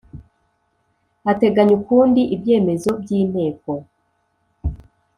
ateganya ukundi ibyemezo by Inteko